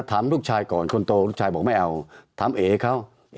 ถามลูกชายก่อนคนโตลูกชายบอกไม่เอาถามเอเขา